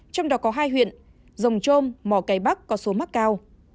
trong đó có hai huyện có số mắc cao